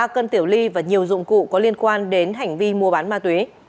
ba cân tiểu ly và nhiều dụng cụ có liên quan đến hành vi mua bán ma túy